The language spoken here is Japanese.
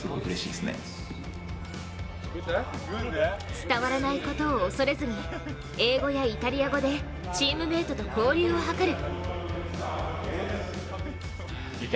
伝わらないことを恐れずに、英語やイタリア語でチームメートと交流を図る。